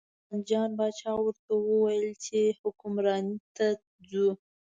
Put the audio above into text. عثمان جان باچا ورته وویل چې حکمرانۍ ته ځو.